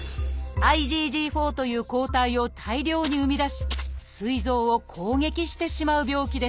「ＩｇＧ４」という抗体を大量に生み出しすい臓を攻撃してしまう病気です。